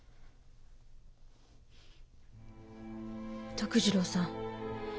徳次郎さん。